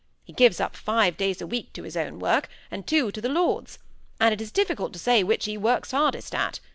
He gives up five days a week to his own work, and two to the Lord's; and it is difficult to say which he works hardest at.